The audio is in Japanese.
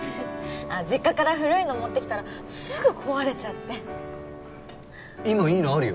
実家から古いの持ってきたらすぐ壊れちゃって今いいのあるよ